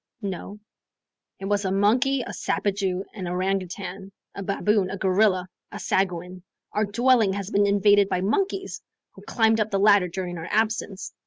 "No." "It was a monkey, a sapajou, an orangoutang, a baboon, a gorilla, a sagoin. Our dwelling has been invaded by monkeys, who climbed up the ladder during our absence."